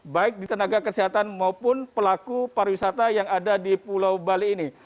baik di tenaga kesehatan maupun pelaku pariwisata yang ada di pulau bali ini